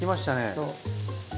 そう。